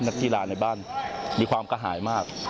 นักกีฬาในบ้านมีความกระหายมาก